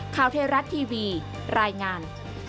ข่าวเทราะห์ทีวีรายงาน